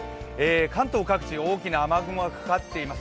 関東各地、大きな雨雲がかかってます。